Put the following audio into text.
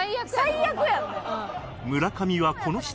最悪やんね。